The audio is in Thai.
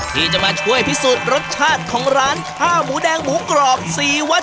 ที่จะมาช่วยพิสูจน์รสชาติของร้านข้าวหมูแดงหมูกรอบสีวัด